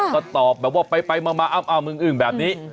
ก็ตอบไปมาอ้ำเอิ่งแบบนี้